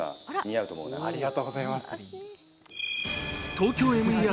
「ＴＯＫＹＯＭＥＲ」